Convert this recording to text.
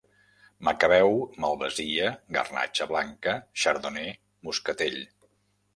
Macabeu, Malvasia, Garnatxa blanca, Chardonnay, Moscatell.